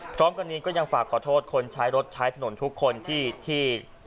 พร้อมกันนี้ก็ยังฝากขอโทษคนใช้รถใช้ถนนทุกคนที่